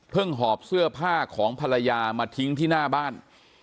หอบเสื้อผ้าของภรรยามาทิ้งที่หน้าบ้าน